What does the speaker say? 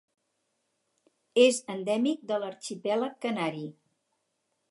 És endèmic de l'arxipèlag canari.